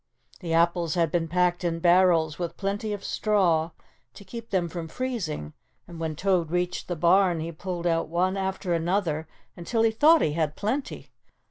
The apples had been packed in barrels with plenty of straw to keep them from freezing, and when Toad reached the barn he pulled out one after another until he thought he had plenty.